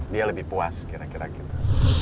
dia lebih puas kira kira gitu